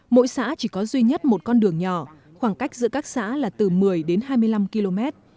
mỗi xã chỉ có duy nhất một con đường nhỏ khoảng cách giữa các xã là từ một mươi đến hai mươi năm km